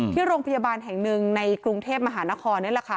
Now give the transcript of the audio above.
ที่โรงพยาบาลแห่งหนึ่งในกรุงเทพฯมหานคร